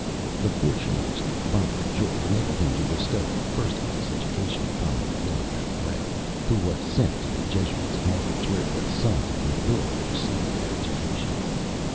The fortune which the father enjoyed, enabled him to bestow a first class education upon the young Arouet, who was sent to the Jesuits' College, where the sons of the nobility received their education.